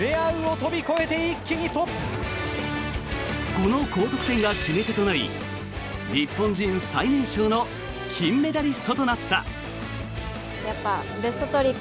この高得点が決め手となり日本人最年少の金メダリストとなった。